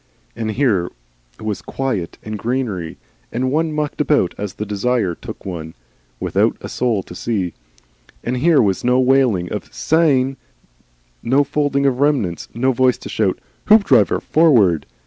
And here was quiet and greenery, and one mucked about as the desire took one, without a soul to see, and here was no wailing of "Sayn," no folding of remnants, no voice to shout, "Hoopdriver, forward!"